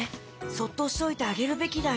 そっとしておいてあげるべきだよ。